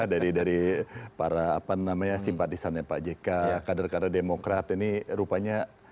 dari para apa namanya simpatisannya pak jk kader kader demokrat ini rupanya